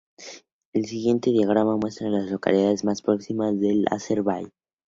El siguiente diagrama muestra a las localidades más próximas a Larsen Bay.